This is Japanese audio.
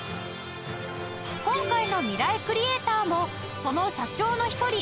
今回のミライクリエイターもその社長の一人